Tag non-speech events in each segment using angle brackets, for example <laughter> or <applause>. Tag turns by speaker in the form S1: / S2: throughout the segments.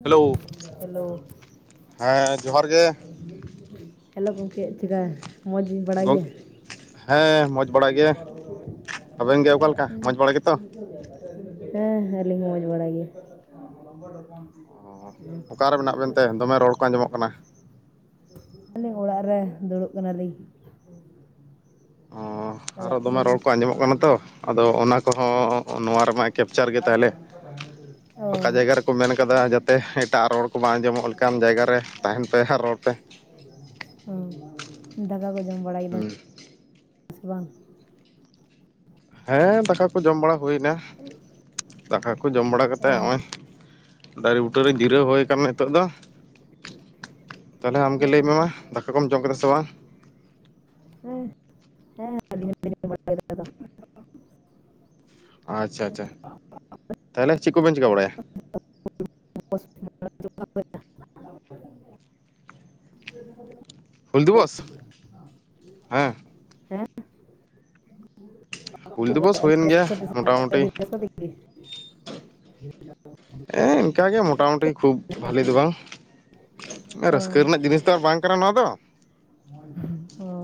S1: Hello
S2: hello
S1: ᱦᱮᱸ ᱡᱚᱦᱟᱨ ᱜᱮ
S2: <unintelligible> ᱦᱮᱞᱳ ᱜᱚᱢᱠᱮ ᱪᱮᱠᱟ ᱢᱚᱡᱽ
S1: ᱜᱚᱝ
S2: ᱵᱟᱲᱟᱭᱟ᱾
S1: ᱦᱮᱸ ᱢᱚᱡᱽ ᱵᱟᱲᱟ ᱜᱮ ᱟᱵᱮᱱ ᱜᱮ ᱚᱠᱟᱞᱮᱠᱟ ᱢᱚᱡᱽ ᱵᱟᱲᱟ ᱜᱮᱛᱚ
S2: <unintelligible> ᱦᱮᱸ ᱦᱮᱸᱞᱤᱧ ᱢᱚᱡᱽ ᱵᱟᱲᱟᱭ ᱜᱮ᱾
S1: ᱚ ᱚᱠᱟᱨᱮ ᱢᱮᱱᱟᱜ ᱵᱮᱱᱛᱮ ᱫᱚᱢᱮ ᱨᱚᱲ ᱠᱚ ᱟᱸᱡᱚᱢᱚᱜ ᱠᱟᱱᱟ᱾
S2: ᱟᱹᱞᱤᱧ ᱚᱲᱟᱜ ᱨᱮ ᱫᱩᱲᱩᱵ ᱠᱟᱱᱟᱞᱤᱧ᱾
S1: ᱚ ᱟᱨᱚ
S2: ᱚᱲᱟᱜ ᱠᱚᱨᱮ
S1: ᱫᱚᱢᱮ
S2: ᱜᱮ
S1: ᱨᱚᱲ ᱠᱚ ᱟᱸᱡᱚᱢᱚᱜ ᱠᱟᱱᱟ ᱛᱚ ᱟᱫᱚ ᱚᱱᱟ ᱠᱚᱦᱚᱸ᱾ ᱱᱚᱣᱟ ᱢᱟ ᱠᱮᱯᱪᱟᱨ ᱜᱮ ᱛᱟᱦᱚᱞᱮ
S2: ᱚ
S1: ᱯᱷᱟᱠᱟ ᱡᱟᱭᱜᱟ ᱨᱮᱠᱚ ᱢᱮᱱ ᱠᱟᱫᱟ ᱡᱟᱛᱮ ᱮᱴᱟᱜ ᱨᱚᱲ᱾ ᱵᱟᱝ ᱟᱸᱡᱚᱢᱚᱜ ᱞᱮᱠᱟᱱ ᱡᱟᱭᱜᱟ ᱨᱮ ᱛᱟᱦᱮᱱ ᱯᱮ ᱟᱨ ᱨᱚᱲ ᱯᱮ᱾
S2: ᱫᱟᱠᱟ ᱠᱚ ᱡᱚᱢ ᱵᱟᱲᱟ ᱠᱮᱫᱟ
S1: ᱦᱩᱸ
S2: ᱥᱮ ᱵᱟᱝ᱾
S1: ᱦᱮᱸ ᱫᱟᱠᱟ ᱠᱚ ᱡᱚᱢ ᱵᱟᱲᱟ ᱦᱩᱭᱱᱟ, ᱫᱟᱠᱟ ᱠᱚ ᱡᱚᱢ ᱵᱟᱲᱟ
S2: ᱚ
S1: ᱠᱟᱛᱮᱛ ᱱᱚᱜᱼᱚᱸᱚᱭ᱾ ᱫᱟᱨᱮ ᱵᱩᱴᱟᱹᱨᱮ ᱡᱤᱨᱟᱹᱣ ᱦᱩᱭ ᱠᱟᱱᱟ ᱱᱤᱛᱚᱜ ᱫᱚ᱾ ᱛᱟᱦᱚᱞᱮ ᱟᱢᱜᱮ ᱞᱟᱹᱭ ᱢᱮ ᱢᱟ ᱫᱟᱠᱟ ᱠᱚᱢ ᱡᱚᱢ ᱠᱮᱫᱟ ᱥᱮ ᱵᱟᱝ᱾
S2: ᱦᱮᱸ <unintelligible>
S1: ᱟᱪᱪᱷᱟ ᱟᱪᱪᱷᱟ ᱛᱟᱦᱚᱞᱮ ᱪᱮᱫ ᱠᱚᱵᱮᱱ ᱪᱤᱠᱟᱹ ᱵᱟᱲᱟᱭᱟ᱾
S2: <unintelligible>
S1: ᱦᱩᱞ ᱫᱤᱵᱚᱥ ᱦᱮᱸ᱾
S2: ᱦᱮᱸ
S1: ᱦᱩᱞ ᱫᱤᱵᱚᱥ
S2: ᱟᱹᱰᱤ
S1: ᱦᱩᱭᱮᱱ ᱜᱮᱭᱟ
S2: ᱨᱟᱹᱥᱠᱟᱹ ᱛᱮ
S1: ᱢᱚᱴᱟᱢᱩᱴᱤ᱾
S2: <unintelligible> <unintelligible>
S1: ᱦᱮᱸ ᱤᱱᱠᱟᱹ ᱜᱮ ᱢᱚᱴᱟᱢᱩᱴᱤ ᱠᱷᱩᱵ ᱵᱷᱟᱞᱤ ᱫᱚ ᱵᱟᱝ᱾
S2: ᱚ
S1: ᱨᱟᱹᱥᱠᱟᱹ ᱨᱮᱱᱟᱜ ᱡᱤᱱᱤᱥ ᱛᱚ ᱵᱟᱝ ᱠᱟᱱᱟ ᱱᱚᱣᱟ ᱫᱚ
S2: ᱚ᱾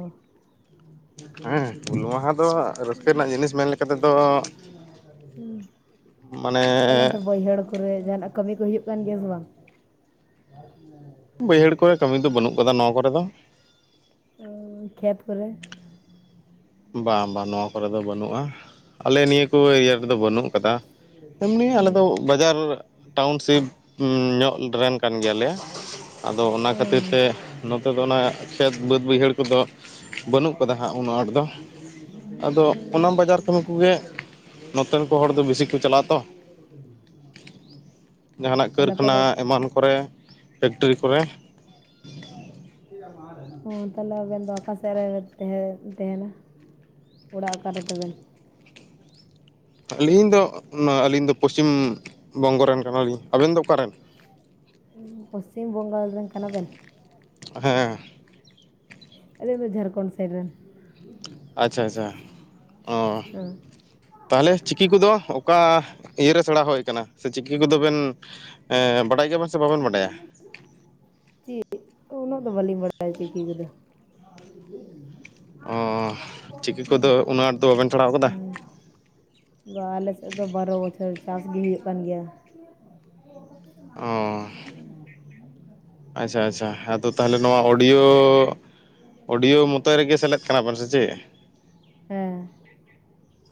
S1: ᱦᱮᱸ ᱦᱩᱞ ᱢᱟᱦᱟ ᱫᱚ ᱨᱟᱹᱥᱠᱟᱹ ᱨᱮᱱᱟᱜ ᱡᱤᱱᱤᱥ ᱢᱮᱱ ᱞᱮᱠᱟ ᱛᱮᱫᱚ ᱢᱟᱱᱮ
S2: ᱛᱟᱦᱞᱮ ᱚᱱᱛᱮ ᱵᱟᱹᱭᱦᱟᱹᱲ ᱠᱚᱨᱮ ᱡᱟᱦᱟᱱᱟᱜ ᱠᱟᱹᱢᱤ ᱠᱚ ᱦᱩᱭᱩᱜ ᱠᱟᱱ ᱜᱮᱭᱟ ᱥᱮ ᱵᱟᱝ? <inaudible>
S1: ᱵᱟᱹᱭᱦᱟᱹᱲ ᱠᱚᱨᱮ ᱠᱟᱹᱢᱤ ᱫᱚ ᱵᱟᱹᱱᱩᱜ ᱟᱠᱟᱫᱟ ᱱᱚᱣᱟ ᱠᱚᱨᱮ ᱫᱚ᱾
S2: ᱚ ᱠᱷᱮᱛ ᱠᱚᱨᱮ?
S1: ᱵᱟᱝ ᱵᱟᱝ ᱱᱚᱣᱟ ᱠᱚᱨᱮ ᱫᱚ ᱵᱟᱹᱱᱩᱜᱼᱟ᱾ ᱟᱞᱮ ᱱᱤᱭᱟᱹ ᱤᱭᱟᱹ ᱨᱮᱫᱚ ᱵᱟᱹᱱᱩᱜ ᱟᱠᱟᱫᱟ ᱮᱢᱱᱤ
S2: ᱦᱩᱸ
S1: ᱟᱞᱮ ᱫᱚ ᱵᱟᱡᱟᱨ ᱴᱟᱣᱩᱱᱥᱤᱯ ᱧᱚᱜ ᱨᱮᱱ ᱠᱟᱱ ᱜᱮᱭᱟᱞᱮ ᱟᱫᱚ ᱚᱱᱟ ᱠᱷᱟᱹᱛᱤᱨ
S2: ᱦᱩᱸ
S1: ᱛᱮ ᱱᱚᱛᱮ ᱫᱚ ᱚᱱᱟ ᱠᱷᱮᱛ ᱵᱟᱹᱫᱽ ᱵᱟᱹᱭᱦᱟᱹᱲ ᱠᱚᱫᱚ ᱵᱟᱹᱱᱩᱜ ᱠᱟᱫᱟ ᱦᱟᱸᱜ ᱩᱱᱟᱹᱜ ᱟᱸᱴ ᱫᱚ᱾ ᱟᱫᱚ ᱚᱱᱟ ᱵᱟᱡᱟᱨ ᱠᱟᱹᱢᱤ ᱠᱚᱜᱮ
S2: <inaudible>
S1: ᱱᱚᱛᱮᱱ ᱠᱚ ᱦᱚᱲ ᱫᱚ ᱵᱮᱥᱤ ᱠᱚ ᱪᱟᱞᱟᱜᱼᱟ ᱛᱚ
S2: <inaudible>
S1: ᱡᱟᱦᱟᱱᱟᱜ
S2: ᱛᱟᱦᱚᱞᱮ ᱟᱯᱮ
S1: ᱠᱟᱹᱨᱠᱷᱟᱱᱟ
S2: ᱫᱚ
S1: ᱮᱢᱟᱱ ᱠᱚᱨᱮ, ᱯᱷᱮᱠᱴᱨᱤ ᱠᱚᱨᱮ᱾
S2: ᱦ ᱛᱟᱦᱞᱮ ᱟᱵᱮᱱ ᱫᱚ ᱚᱠᱟ ᱥᱮᱫ ᱨᱮ ᱛᱟᱦᱮᱱᱟ? ᱚᱲᱟᱜ ᱚᱠᱟ ᱨᱮᱛᱟᱵᱮᱱ?
S1: ᱟᱹᱞᱤᱧ ᱫᱚ ᱱᱚᱣᱟ ᱟᱹᱞᱤᱧ ᱫᱚ ᱯᱚᱥᱪᱤᱢ ᱵᱚᱝᱜᱚ ᱨᱮᱱ ᱠᱟᱱᱟᱞᱤᱧ, ᱟᱵᱮᱱ ᱫᱚ ᱚᱠᱟᱨᱮᱱ?
S2: ᱯᱚᱥᱪᱷᱤᱢ ᱵᱚᱝᱜᱚᱞ ᱨᱮᱱ ᱠᱟᱱᱟᱵᱱ?
S1: ᱦᱮᱸ᱾
S2: ᱟᱞᱤᱧ ᱫᱚ ᱡᱷᱟᱲᱠᱷᱚᱸᱰ ᱥᱟᱭᱤᱰ ᱨᱮᱱ᱾
S1: ᱟᱪᱪᱷᱟ ᱟᱪᱪᱷᱟ ᱚ
S2: ᱦᱮᱸ
S1: ᱛᱟᱦᱚᱞᱮ ᱪᱤᱠᱤ ᱠᱚᱫᱚ ᱚᱠᱟ ᱤᱭᱟᱹ ᱨᱮ ᱥᱮᱬᱟ ᱦᱩᱭ ᱠᱟᱱᱟ ᱥᱮ ᱪᱤᱠᱤ ᱠᱚᱫᱚ ᱵᱮᱱ ᱮᱸ ᱵᱟᱰᱟᱭ ᱜᱮᱭᱟᱵᱮᱱ ᱥᱮ ᱵᱟᱵᱮᱱ ᱵᱟᱰᱟᱭᱟ?
S2: ᱪᱤᱠᱤ ᱚᱱᱟ ᱫᱚ ᱵᱟᱹᱞᱤᱧ ᱵᱟᱲᱟᱭ-ᱟ ᱪᱤᱠᱤ ᱠᱚᱼᱫᱚ
S1: ᱚ ᱪᱤᱠᱤ ᱠᱚᱫᱚ ᱩᱱᱟᱹᱜ ᱟᱸᱴ ᱫᱚ ᱵᱟᱵᱮᱱ ᱥᱮᱬᱟᱣ ᱠᱟᱫᱟ
S2: <inaudible> ᱵᱟ ᱟᱞᱮ ᱥᱮᱫ ᱫᱚ ᱵᱟᱨᱚ ᱵᱚᱪᱷᱚᱨ ᱪᱟᱥ ᱜᱮ ᱦᱩᱭᱩᱜᱭ ᱠᱟᱱ ᱜᱮᱭᱟ᱾
S1: ᱚ ᱟᱪᱪᱷᱟ - ᱟᱪᱪᱷᱟ ᱟᱫᱚ ᱛᱟᱦᱚᱞᱮ ᱱᱚᱣᱟ ᱚᱰᱤᱭᱳ ᱚᱰᱤᱭᱳ ᱢᱚᱛᱚ ᱨᱮᱜᱮ ᱥᱮᱞᱮᱫ ᱠᱟᱱᱟ ᱵᱮᱱ ᱥᱮ ᱪᱮᱫ?
S2: ᱦᱮᱸ᱾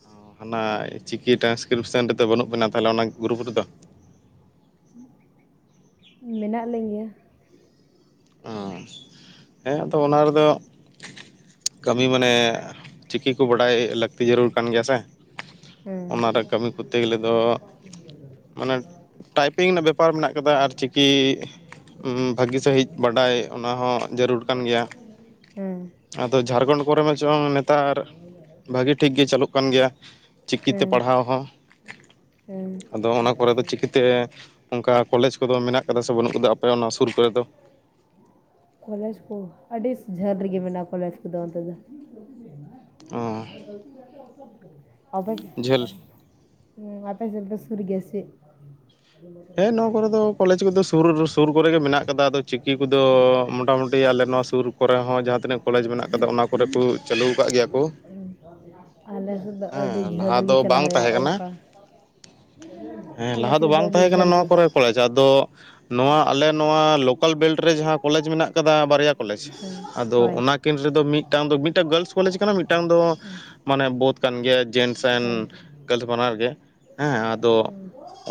S1: ᱚ, ᱦᱟᱱᱟ ᱪᱤᱠᱤ ᱴᱨᱟᱱᱥᱠᱨᱤᱯᱥᱮᱱ ᱨᱮᱫᱚ ᱵᱟᱹᱱᱩᱜ ᱵᱮᱤᱱᱟ ᱛᱟᱦᱚᱞᱮ ᱚᱱᱟ ᱜᱨᱩᱯ ᱨᱮᱫᱚ?
S2: ᱢᱮᱱᱟᱜ ᱞᱤᱧ ᱜᱮᱭᱟ᱾
S1: ᱚ ᱦᱮᱸ ᱟᱫᱚ ᱚᱱᱟ ᱨᱮᱫᱚ ᱠᱟᱹᱢᱤ ᱢᱟᱱᱮ, ᱪᱤᱠᱤ ᱠᱚ ᱵᱟᱰᱟᱭ ᱞᱟᱹᱠᱛᱤ ᱡᱟᱹᱨᱩᱨ ᱠᱟᱱ ᱜᱮᱭᱟ ᱥᱮ᱾
S2: ᱦᱮᱸ᱾
S1: ᱚᱱᱟᱨᱮ ᱠᱟᱹᱢᱤ ᱠᱚᱨᱛᱮ ᱜᱮᱞᱮ ᱫᱚ ᱯᱟᱨ ᱢᱮᱱᱟᱜ ᱠᱟᱫᱟ ᱟᱨ ᱪᱤᱠᱤ ᱩᱸ ᱵᱷᱟᱹᱜᱤ ᱥᱟᱹᱦᱤᱡ ᱵᱟᱰᱟᱭ ᱚᱱᱟ ᱦᱚᱸ ᱡᱟᱹᱨᱩᱲ ᱠᱟᱱ ᱜᱮᱭᱟ᱾
S2: ᱦᱮᱸ
S1: ᱟᱫᱚ ᱡᱷᱟᱲᱠᱷᱚᱸᱰ ᱠᱚᱨᱮ ᱢᱟ ᱪᱚᱝ ᱱᱮᱛᱟᱨ, ᱵᱷᱟᱹᱜᱤ ᱴᱷᱤᱠ ᱜᱮ ᱪᱟᱹᱞᱩᱜ ᱠᱟᱱ ᱜᱮᱭᱟ᱾ ᱪᱤᱠᱤ ᱛᱮ
S2: ᱦᱮᱸ
S1: ᱯᱟᱲᱦᱟᱣ ᱦᱚᱸ,
S2: ᱦᱮᱸ
S1: ᱟᱫᱚ ᱚᱱᱟ ᱠᱚᱨᱮ ᱫᱚ ᱪᱤᱠᱤ ᱛᱮ ᱚᱱᱠᱟ ᱠᱚᱞᱮᱡᱽ ᱠᱚᱫᱚ ᱢᱮᱱᱟᱜ ᱠᱟᱫᱟ ᱥᱮ ᱵᱟᱹᱱᱩᱜ ᱟᱠᱟᱫᱟ ᱟᱯᱮ ᱚᱱᱟ ᱥᱩᱨ ᱠᱚᱨᱮ ᱫᱚ?
S2: ᱠᱚᱞᱮᱡᱽ ᱠᱚ ᱟᱹᱰᱤ ᱡᱷᱟᱹᱞ ᱨᱮᱜᱮ ᱢᱮᱱᱟᱜᱼᱟ ᱠᱚᱞᱮᱡᱽ ᱠᱚᱫᱚ ᱚᱱᱛᱮ ᱫᱚ ᱾
S1: ᱚᱸ ᱾
S2: <unintelligible>
S1: ᱡᱷᱟᱹᱞ
S2: ᱦᱮᱸ ᱟᱯᱮ ᱥᱮᱡ ᱥᱩᱨ ᱜᱮᱭᱟ ᱥᱮᱼᱼ
S1: ᱦᱮᱸ ᱱᱚᱣᱟ ᱠᱚᱨᱮᱚ ᱠᱚᱞᱮᱡᱽ ᱠᱚᱫᱚ ᱥᱩᱨ ᱥᱩᱨ ᱠᱚᱨᱮᱜ ᱜᱮ ᱢᱮᱱᱟᱜ ᱟᱠᱟᱫᱟ ᱟᱫᱚ ᱪᱤᱠᱤ ᱠᱚᱫᱚ ᱢᱚᱴᱟᱢᱩᱴᱤ ᱟᱞᱮ ᱱᱚᱣᱟ ᱥᱩᱨ᱾ ᱠᱚᱨᱮ ᱦᱚᱸ ᱡᱟᱦᱟᱸ ᱛᱤᱱᱟᱹᱜ ᱠᱚᱞᱮᱡᱽ ᱢᱮᱱᱟᱜ ᱠᱟᱫᱟ ᱚᱱᱟ ᱠᱚᱨᱮ ᱠᱚ ᱪᱟᱹᱞᱩ ᱟᱠᱟᱫ ᱜᱮᱭᱟ ᱠᱚ
S2: <unintelligible> ᱟᱞᱮ ᱥᱮᱫ ᱫᱚ ᱟᱹᱰᱤ
S1: ᱦᱮᱸ ᱞᱟᱦᱟ
S2: ᱡᱷᱟᱹᱞᱜᱮ
S1: ᱫᱚ
S2: ᱪᱟᱞᱟᱣ
S1: ᱵᱟᱝ
S2: ᱦᱩᱭᱩᱜᱼᱟ
S1: ᱛᱟᱦᱮᱸ ᱠᱟᱱᱟ
S2: ᱚᱱᱠᱟ
S1: ᱦᱮᱸ
S2: ᱟᱞᱮ
S1: ᱞᱟᱦᱟ
S2: ᱥᱮᱫ ᱫᱚ
S1: ᱵᱟᱝ
S2: ᱟᱹᱰᱤ
S1: ᱛᱟᱦᱮᱸ
S2: ᱡᱟᱹ
S1: ᱱᱚᱣᱟ ᱠᱚᱨᱮ ᱠᱚᱞᱮᱡᱽ ᱟᱫᱚ ᱱᱚᱣᱟ ᱟᱞᱮ ᱱᱚᱣᱟ ᱞᱳᱠᱟᱞ ᱵᱮᱞᱴ ᱨᱮ ᱡᱟᱦᱟᱸ ᱠᱚᱞᱮᱡᱽ ᱢᱮᱱᱟᱜ ᱟᱠᱟᱫᱟ ᱵᱟᱨᱭᱟ ᱠᱚᱞᱮᱡᱽ
S2: ᱦᱮᱸ
S1: ᱟᱫᱚ
S2: ᱦᱳᱭ
S1: ᱚᱱᱟ ᱠᱤᱱ ᱨᱮᱫᱚ ᱢᱤᱫᱴᱟᱱ ᱫᱚ ᱢᱤᱫᱴᱟᱝ ᱜᱟᱞᱥᱥ ᱠᱚᱞᱮᱡᱽ ᱠᱟᱱᱟ ᱢᱤᱫᱴᱟᱝ ᱫᱚ
S2: ᱦᱮᱸ
S1: ᱢᱟᱱᱮ ᱵᱳᱫᱷ ᱠᱟᱱ ᱜᱮᱭᱟ <inaudible> ᱵᱟᱱᱟᱨ ᱜᱮ ᱦᱮᱸ ᱟᱫᱚ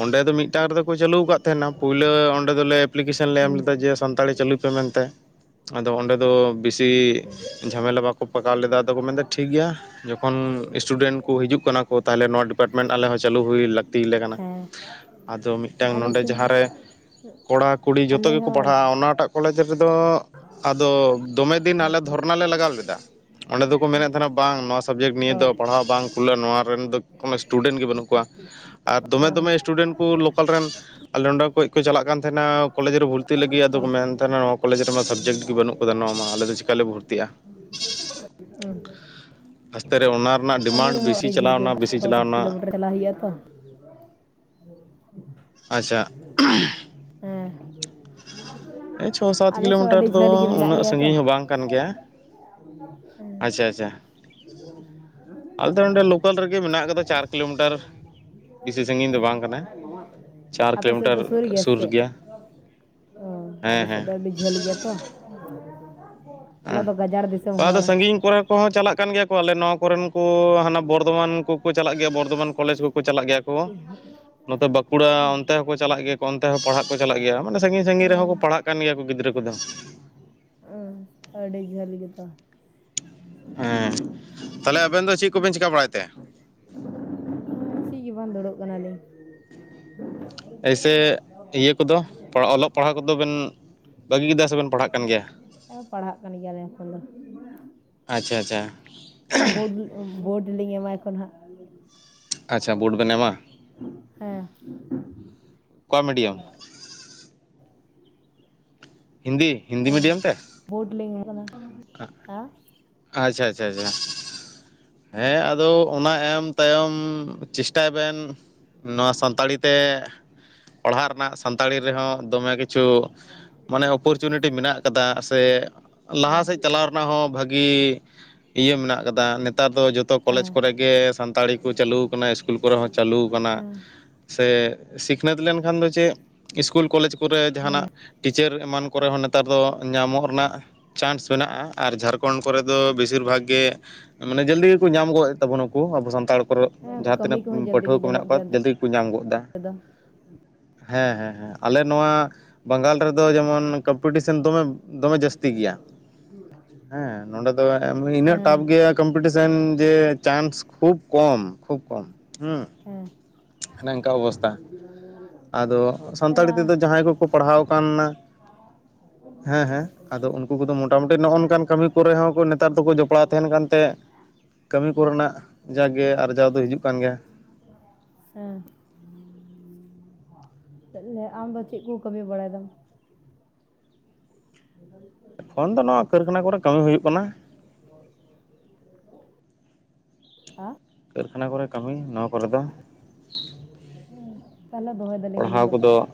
S1: ᱚᱸᱰᱮ ᱫᱚ ᱢᱤᱫ ᱮᱛᱟᱜ ᱨᱮᱫᱚᱠᱚ ᱪᱟᱹᱞᱩᱣ ᱟᱠᱟᱫ ᱛᱟᱦᱮᱱᱟ ᱯᱩᱭᱞᱟᱹ ᱚᱸᱰᱮ ᱫᱚᱞᱮ ᱮᱯᱞᱤᱠᱮᱥᱚᱱ ᱞᱮ ᱮᱢ
S2: ᱦᱮᱸ
S1: ᱞᱮᱫᱟ ᱡᱮ ᱥᱟᱱᱛᱟᱲᱤ ᱪᱟᱹᱞᱩᱭ ᱯᱮ ᱢᱮᱱᱛᱮ,
S2: <unintelligible>
S1: ᱟᱫᱚ ᱚᱸᱰᱮ ᱫᱚ ᱵᱤᱥᱤ ᱡᱷᱟᱢᱮᱞᱟ ᱵᱟᱠᱚ ᱯᱟᱠᱟᱣ ᱞᱮᱫᱟ ᱟᱫᱚ ᱠᱚ ᱢᱮᱱᱫᱟ ᱴᱷᱤᱠ ᱜᱮᱭᱟ᱾ ᱡᱚᱠᱷᱚᱱ ᱥᱴᱩᱰᱮᱱᱴ ᱠᱚ ᱦᱤᱡᱩᱜ ᱠᱟᱱᱟ ᱠᱚ ᱛᱟᱦᱚᱞᱮ ᱱᱚᱣᱟ ᱰᱤᱯᱟᱨᱴᱢᱮᱱᱴ ᱟᱞᱮ ᱦᱚᱸ ᱪᱟᱹᱞᱩ ᱦᱩᱭ ᱞᱟᱹᱠᱛᱤᱞᱮ ᱠᱟᱱᱟ ᱾
S2: ᱦᱮᱸ
S1: ᱟᱫᱚ ᱢᱤᱫᱴᱟᱝ
S2: ᱟᱞᱮ
S1: ᱱᱚᱰᱮ
S2: ᱥᱮᱫ
S1: ᱡᱟᱦᱟᱸᱨᱮ- ᱠᱚᱲᱟ ᱠᱩᱲᱤ ᱡᱚᱛᱚ
S2: ᱟᱞᱮ
S1: ᱜᱮᱠᱚ
S2: ᱦᱚᱸ
S1: ᱯᱟᱲᱦᱟᱜᱼᱟ ᱚᱱᱟᱴᱟᱜ ᱠᱚᱞᱮᱡᱽ ᱨᱮᱫᱚ ᱟᱫᱚ ᱫᱚᱢᱮ ᱫᱤᱱ ᱟᱞᱮ ᱫᱷᱚᱨᱱᱟ ᱞᱮ ᱞᱟᱜᱟᱣ ᱞᱮᱫᱟ᱾ ᱚᱸᱰᱮ ᱫᱚᱠᱚ ᱢᱮᱱᱮᱫ ᱛᱟᱦᱮᱱᱟ ᱵᱟᱝ ᱱᱚᱣᱟ ᱥᱟᱵᱡᱮᱠᱴ ᱱᱤᱭᱟᱹ
S2: ᱚ
S1: ᱫᱚ ᱯᱟᱲᱦᱟᱣ ᱵᱟᱝ ᱠᱷᱩᱞᱟᱹ ᱱᱚᱣᱟ ᱨᱮᱱ ᱫᱚ ᱠᱳᱱᱳ ᱥᱴᱩᱰᱮᱱᱴ ᱜᱮ ᱵᱟᱹᱱᱩᱜ ᱠᱚᱣᱟ ᱟᱨ ᱫᱚᱢᱮ
S2: ᱚ
S1: ᱫᱚᱢᱮ ᱥᱴᱩᱰᱮᱱᱴ ᱠᱚ ᱞᱳᱠᱟᱞ ᱨᱮᱱ ᱟᱞᱮ ᱱᱚᱸᱰᱮ ᱠᱷᱚᱡ ᱠᱚ ᱪᱟᱞᱟᱜ ᱠᱟᱱ ᱛᱟᱦᱮᱱᱟ ᱠᱚᱞᱮᱡᱽ ᱨᱮ ᱵᱷᱚᱨᱛᱤᱜ ᱞᱟᱹᱜᱤᱫ ᱟᱫᱚ ᱠᱚ ᱢᱮᱱ ᱛᱟᱦᱮᱱᱟ ᱱᱚᱣᱟ ᱠᱚᱞᱮᱡᱽ ᱨᱮᱢᱟ ᱥᱟᱵᱡᱮᱠᱴ ᱜᱮ ᱵᱟᱹᱱᱩᱜᱼᱟ᱾ ᱟᱫᱚ ᱱᱚᱣᱟ ᱢᱟ ᱟᱞᱮᱫᱚ ᱪᱮᱠᱟᱞᱮ ᱵᱷᱚᱨᱛᱤᱜᱼᱟ᱾
S2: <unintelligible>
S1: ᱟᱥᱛᱮ ᱨᱮ ᱚᱱᱟ ᱨᱮᱱᱟᱜ
S2: ᱟᱞᱮ
S1: ᱰᱤᱢᱟᱱᱰ
S2: ᱨᱮᱦᱚᱸ
S1: ᱵᱮᱥᱤ
S2: ᱟᱹᱰᱤ ᱡᱷᱟᱹᱞ ᱜᱮ
S1: ᱪᱟᱞᱟᱣᱱᱟ
S2: ᱚᱱᱠᱟ
S1: ᱵᱮᱥᱤ
S2: ᱪᱷᱚ ᱥᱟᱛ
S1: ᱪᱟᱞᱟᱣᱱᱟ,
S2: ᱠᱤᱞᱳᱢᱤᱴᱟᱨ ᱪᱟᱞᱟᱜ ᱦᱩᱭᱩᱜᱼᱟ ᱛᱚ,
S1: ᱟᱪᱪᱷᱟ ᱾
S2: ᱦᱮᱸ
S1: ᱦᱮᱸ ᱪᱷᱚ ᱥᱟᱛ
S2: ᱟᱞᱮ ᱥᱮᱫ
S1: ᱠᱤᱞᱳᱢᱤᱴᱟᱨ
S2: ᱟᱹᱰᱤ
S1: ᱫᱚ
S2: ᱡᱷᱟᱹᱞ ᱜᱮ ᱢᱮᱱᱟᱜ
S1: ᱩᱱᱟᱹᱜ
S2: ᱜᱮᱭᱟ ᱛᱚ
S1: ᱥᱟᱺᱜᱤᱧ
S2: ᱾
S1: ᱦᱚᱸ ᱵᱟᱝ ᱠᱟᱱ ᱜᱮᱭᱟ ᱟᱪᱪᱷᱟ ᱟᱪᱪᱷᱟ ᱟᱞᱮ ᱫᱚ ᱱᱚᱸᱰᱮ ᱞᱳᱠᱟᱞ ᱨᱮᱜᱮ ᱢᱮᱱᱟᱜ ᱟᱠᱟᱫᱟ ᱪᱟᱨ ᱠᱤᱞᱳᱢᱤᱴᱟᱨ ᱵᱮᱥᱤ ᱥᱟᱺᱜᱤᱧ ᱫᱚ ᱵᱟᱝ ᱠᱟᱱᱟ
S2: <unintelligible> <unintelligible> ᱟᱯᱮ ᱥᱮᱫ ᱫᱚ ᱥᱩᱨ ᱜᱮᱭᱟ? ᱪᱮᱫ ᱚ ᱟᱞᱮ
S1: ᱦᱮᱸ ᱦᱮᱸ
S2: ᱥᱮᱫ ᱫᱚ ᱟᱹᱰᱤ ᱡᱷᱟᱹᱞ ᱜᱮᱭᱟ ᱛᱚ᱾ ᱟᱞᱮ
S1: ᱦᱮᱸ
S2: ᱫᱚ ᱜᱟᱡᱟᱲ ᱫᱤᱥᱚᱢ
S1: ᱟᱫᱚ
S2: ᱦᱚᱲ ᱾
S1: ᱥᱟᱺᱜᱤᱧ ᱠᱚᱨᱮ ᱠᱚᱦᱚᱸ ᱪᱟᱞᱟᱜ ᱠᱟᱱ ᱜᱮᱭᱟ ᱠᱚ ᱟᱞᱮ ᱱᱚᱣᱟ ᱠᱚᱨᱮᱱ ᱠᱚ ᱦᱟᱱᱟ ᱵᱚᱨᱫᱷᱚᱢᱟᱱ ᱠᱚᱠᱚ ᱪᱟᱞᱟᱜ ᱜᱮᱭᱟ ᱵᱚᱨᱫᱷᱚᱢᱟᱱ ᱠᱚᱞᱮᱡᱽ ᱠᱚᱠᱚ ᱪᱟᱞᱟᱜ ᱜᱮᱭᱟ ᱠᱚ,
S2: ᱦᱩᱸ
S1: ᱱᱚᱛᱮ ᱵᱟᱸᱠᱩᱲᱟ ᱚᱱᱛᱮ ᱦᱚᱸᱠᱚ ᱪᱟᱞᱟᱜ ᱜᱮᱭᱟ ᱠᱚ ᱱᱛᱮ ᱦᱚᱸ ᱯᱟᱲᱦᱟᱜ ᱠᱚ ᱪᱟᱞᱟᱜ ᱜᱮᱭᱟ ᱢᱟᱱᱮ ᱥᱟᱺᱜᱤᱧ ᱥᱟᱺᱤᱧ ᱨᱮᱚᱸ ᱠᱚ ᱯᱟᱲᱦᱟᱜ ᱠᱟᱱ ᱜᱮᱭᱟ ᱠᱚ ᱜᱤᱫᱽᱨᱟᱹ ᱠᱚᱫᱚ,
S2: ᱚ ᱟᱹᱰᱤ ᱡᱟᱹᱞᱤ ᱜᱮ ᱫᱚ,
S1: ᱦᱮᱸ ᱛᱟᱦᱚᱞᱮ ᱟᱵᱮᱱ ᱫᱚ ᱪᱮᱫ ᱠᱚᱵᱮᱱ ᱪᱤᱠᱟᱹ ᱵᱟᱲᱟᱭ ᱛᱮ?
S2: <unintelligible> ᱪᱮᱫ ᱜᱮ ᱵᱟᱝ ᱫᱩᱲᱩᱵ ᱠᱟᱱᱟᱞᱤᱧ ᱾
S1: ᱮᱭᱥᱮ ᱤᱭᱟᱹ ᱠᱚᱫᱚ ᱚᱞᱚᱜ ᱯᱟᱲᱦᱟᱜ ᱠᱚᱫᱚ ᱵᱮᱱ ᱵᱟᱹᱜᱤ ᱠᱮᱫᱟ ᱥᱮᱵᱮᱱ ᱯᱟᱲᱦᱟᱜ ᱠᱟᱱ ᱜᱮᱭᱟ
S2: <unintelligible> ᱯᱟᱲᱦᱟᱜ ᱠᱟᱱ ᱜᱮᱭᱟᱞᱮ ᱮᱠᱷᱚᱱ ᱫᱚ
S1: ᱟᱪᱪᱷᱟ ᱟᱪᱪᱷᱟ ᱾
S2: ᱵᱳ ᱵᱳᱰ ᱞᱤᱧ ᱮᱢᱟ ᱮᱠᱷᱚᱱ ᱦᱟᱸᱜ,
S1: ᱟᱪᱪᱷᱟ ᱵᱳᱰ ᱵᱮᱱ ᱮᱢᱟ
S2: <unintelligible> ᱦᱮᱸ
S1: ᱚᱠᱟ ᱢᱤᱰᱤᱭᱟᱢ
S2: <unintelligible>
S1: ᱦᱤᱱᱫᱤ ᱦᱤᱱᱫᱤ
S2: ᱦᱮ
S1: ᱢᱤᱰᱤᱭᱟᱢ ᱛᱮ
S2: ᱵᱳᱰ ᱞᱤᱝ <inaudible> ᱠᱟᱱᱟ ᱦᱮᱸ
S1: ᱟᱪᱪᱷᱟ ᱟᱪᱪᱷᱟ ᱟᱪᱪᱷᱟ ᱾ ᱦᱮᱸ ᱟᱫᱚ ᱚᱱᱟ ᱮᱢ ᱛᱟᱭᱚᱢ ᱪᱮᱥᱴᱟᱭ ᱵᱮᱱ ᱱᱚᱣᱟ ᱥᱟᱱᱛᱟᱲᱤ ᱛᱮ ᱯᱟᱲᱦᱟᱜ ᱨᱮᱱᱟᱜ ᱥᱟᱱᱛᱟᱲᱤ ᱨᱮᱦᱚᱸ ᱫᱚᱢᱮ ᱠᱤᱪᱷᱩ ᱢᱟᱱᱮ ᱚᱯᱚᱨᱪᱩᱱᱤᱴᱤ ᱢᱮᱱᱟᱜ ᱠᱟᱫᱟ, ᱥᱮ
S2: ᱦᱮᱸ
S1: ᱞᱟᱦᱟ ᱥᱮᱫ ᱪᱟᱞᱟᱣ ᱨᱮᱱᱟᱜ ᱦᱚᱸ ᱵᱷᱟᱹᱜᱤ ᱤᱭᱟᱹ ᱢᱮᱱᱟᱜ ᱟᱠᱟᱫᱟ ᱾ ᱱᱮᱛᱟᱨ ᱫᱚ ᱡᱚᱛᱚ ᱠᱚᱞᱮᱡᱽ
S2: ᱦᱮᱸ
S1: ᱠᱚᱨᱮ ᱜᱮ ᱥᱟᱱᱛᱟᱲᱤ ᱠᱚ ᱪᱟᱹᱞᱩ ᱟᱠᱟᱱᱟ, ᱤᱥᱠᱩᱞ ᱠᱚᱨᱮ ᱦᱚᱸ ᱪᱟᱹᱞᱩ ᱟᱠᱟᱱᱟ
S2: ᱦᱮᱸ ᱾
S1: ᱥᱮ ᱥᱤᱠᱷᱱᱟᱹᱛ ᱞᱮᱱᱠᱷᱟᱱ ᱫᱚ ᱪᱮᱫ ᱤᱥᱠᱩᱞ ᱠᱚᱞᱮᱡᱽ ᱠᱚᱨᱮ
S2: ᱦᱮᱸ
S1: ᱡᱟᱦᱟᱸᱱᱟᱜ ᱴᱤᱪᱟᱹᱨ ᱮᱢᱟᱱ ᱠᱚᱨᱮ ᱦᱚᱸ ᱱᱮᱛᱟᱨ ᱫᱚ ᱧᱟᱢᱚᱜ ᱨᱮᱱᱟᱜ ᱪᱟᱱᱥ ᱢᱮᱱᱟᱜᱼᱟ ᱟᱨ ᱡᱷᱟᱨ ᱠᱷᱚᱸᱰ ᱠᱚᱨᱮ ᱫᱚ ᱵᱮᱥᱤᱨ ᱵᱷᱟᱜᱽ ᱜᱮ ᱢᱟᱱᱮ ᱡᱟᱹᱞᱫᱤ ᱜᱮᱠᱚ ᱧᱟᱢ ᱜᱚᱫ ᱛᱟᱵᱚᱱᱟ ᱠᱚ ᱟᱵᱚ ᱥᱟᱱᱛᱟᱲ ᱠᱚᱨᱮᱜ
S2: ᱦᱮᱸ
S1: ᱡᱟᱦᱟᱸ
S2: ᱠᱟᱹᱢᱤ
S1: ᱛᱤᱱᱟᱹᱜ
S2: ᱠᱚᱦᱚᱸ ᱡᱚᱞᱫᱤ
S1: ᱯᱟᱹᱴᱷᱩᱣᱟᱹ
S2: ᱜᱮ
S1: ᱠᱚ ᱢᱮᱱᱟᱜ
S2: ᱧᱟᱢᱚᱜ ᱜᱮᱭᱟ
S1: ᱠᱚᱣᱟ
S2: ᱚᱱᱛᱮ
S1: ᱡᱟᱹᱞᱫᱤ ᱜᱮᱠᱚ ᱧᱟᱢ ᱜᱚᱫ ᱮᱫᱟ᱾
S2: ᱫᱚ
S1: ᱦᱮᱸ ᱦᱮᱸ ᱦᱮᱸ, ᱟᱞᱮ ᱱᱚᱣᱟ ᱵᱟᱝᱜᱟᱞ ᱨᱮᱫᱚ ᱡᱮᱢᱚᱱ ᱠᱟᱢᱯᱤᱴᱤᱥᱮᱱ ᱫᱚᱢᱮ ᱫᱚᱢᱮ ᱡᱟᱹᱥᱛᱤ ᱜᱮᱭᱟ ᱾
S2: <inaudible>
S1: ᱦᱮᱸ, ᱱᱚᱸᱰᱮ ᱫᱚ <inaudible> ᱤᱱᱟᱹᱜ
S2: ᱦᱮᱸ
S1: ᱴᱟᱯ ᱜᱮᱭᱟ ᱠᱚᱢ ᱞᱤᱴᱤᱥᱮᱱ ᱡᱮ ᱪᱟᱱᱥ ᱠᱷᱩᱵ ᱠᱚᱢ ᱠᱷᱩᱵ ᱠᱚᱢ᱾ ᱦᱩᱸ,
S2: ᱦᱮᱸ
S1: ᱚᱱᱮ ᱚᱱᱠᱟ ᱚᱵᱚᱥᱛᱛᱟ ᱾ ᱟᱫᱚ ᱥᱟᱱᱛᱟᱲᱤ
S2: ᱛᱟᱦᱚᱞᱮ
S1: ᱛᱮᱫᱚ ᱡᱟᱦᱟᱸᱭ ᱠᱚᱠᱚ ᱯᱟᱲᱦᱟᱣ ᱠᱟᱱᱟ ᱦᱮᱸ ᱦᱮᱸ ᱟᱫᱚ ᱩᱱᱠᱩ ᱠᱚᱫᱚ ᱢᱚᱴᱟᱢᱩᱴᱤ ᱱᱚᱜᱼᱚᱝᱠᱟ ᱠᱟᱹᱢᱤ ᱠᱚᱨᱮ ᱦᱚᱸ ᱠᱚ ᱱᱮᱛᱟᱨ ᱫᱚᱠᱚ ᱡᱚᱯᱲᱟᱣ ᱛᱟᱦᱮᱱ ᱠᱟᱱᱛᱮ ᱠᱟᱹᱢᱤ ᱠᱚᱨᱮᱱᱟᱜ ᱡᱟᱜ ᱜᱮ ᱟᱨᱡᱟᱣ ᱫᱚ ᱦᱤᱡᱩᱜ ᱠᱟᱱ ᱜᱮᱭᱟ ᱾
S2: <inaudible> ᱥᱮ ᱛᱟᱦᱚᱞᱮ ᱟᱢ ᱫᱚ ᱪᱮᱫ ᱠᱚ ᱠᱟᱹᱢᱤ ᱵᱟᱲᱟᱭ ᱫᱟᱢ? <inaudible>
S1: ᱮᱠᱷᱚᱱ ᱫᱚ ᱱᱚᱣᱟ ᱠᱟᱹᱨᱠᱷᱟᱱᱟ ᱠᱚᱨᱮ ᱠᱟᱹᱢᱤ ᱦᱩᱭᱩᱜ ᱠᱟᱱᱟ ᱾
S2: <inaudible> ᱦᱮᱸ
S1: ᱦᱟᱱᱟ ᱠᱚᱨᱮ ᱠᱟᱹᱢᱤ ᱱᱚᱣᱟ ᱠᱚᱨᱮ ᱫᱚ
S2: ᱦᱩᱸ, ᱛᱟᱦᱚᱞᱮ ᱫᱚᱦᱚᱭ ᱫᱟᱞᱤᱧ ᱟᱹᱞᱤᱧ
S1: ᱯᱟᱲᱦᱟᱣ
S2: ᱫᱚ ᱾
S1: ᱠᱚᱫᱚ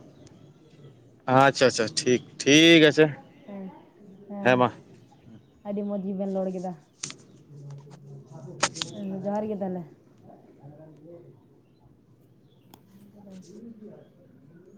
S1: ᱟᱪᱪᱷᱟ ᱟᱪᱪᱷᱟ ᱴᱷᱤᱠ ᱴᱷᱤᱠ ᱟᱪᱷᱮ
S2: ᱦᱮᱸ, ᱦᱮᱸ ᱾ ᱟᱹᱰᱤ ᱢᱚᱸᱡᱽ ᱡᱤᱵᱮᱱ ᱨᱚᱲ ᱠᱮᱫᱟ, ᱡᱚᱦᱟᱨ ᱜᱮ ᱛᱟᱦᱚᱞᱮ ᱾ <inaudible> <inaudible>